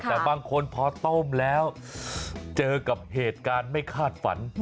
แต่บางคนพอต้มแล้วเจอกับเหตุการณ์ไม่คาดฝัน